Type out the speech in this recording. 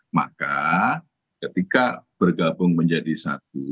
maka ketika bergabung menjadi satu